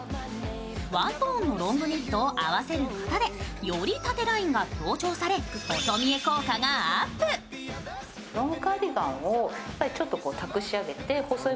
ワントーンのロングニットを合わせることでより縦ラインが強調され、細見え効果がアップ。